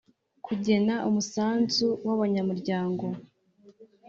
Kugena umusanzu w abanyamuryango